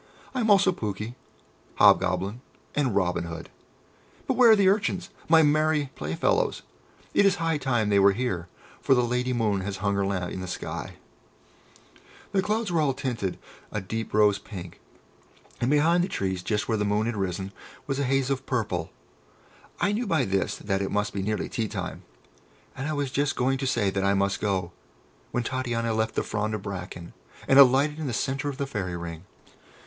"I am also Pouke, Hobgoblin, and Robin Hood. But where are the Urchins, my merry play fellows? It is high time that they were here, for the lady moon has hung her lamp i' the sky." [Illustration: "The Fairy Ring was thronged with dancing Elves"] The clouds were all tinted a deep rose pink, and behind the trees, just where the moon had risen, was a haze of purple. I knew by this that it must be nearly tea time, and I was just going to say that I must go, when Titania left the frond of bracken, and alighted in the centre of the Fairy Ring.